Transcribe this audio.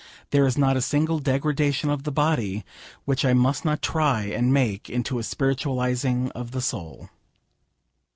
There is not a single degradation of the body which I must not try and make into a spiritualising of the soul.